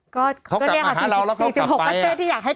ก็เรียกว่า๔๖ประเทศที่อยากให้กลับมา